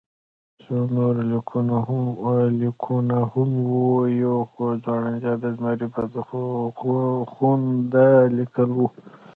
څو نور لیکونه هم وو، یو د خوړنځای د زمري بدخونده لیک وو.